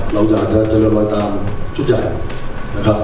เราอยากจะเจริญรอยตามชุดใหญ่นะครับ